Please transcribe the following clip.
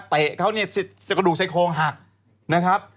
เตะเขาเนี่ยกระดูกชายโครงหักนะครับ